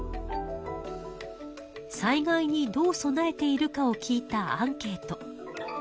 災害にどう備えているかを聞いたアンケート。